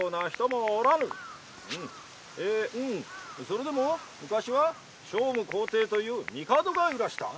「それでもむかしは聖武皇帝という帝がいらした」。